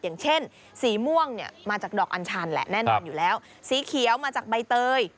อย่างเช่นสีม่วงเนี่ยมาจากดอกอัญชันแหละแน่นอนอยู่แล้วสีเขียวมาจากใบเตย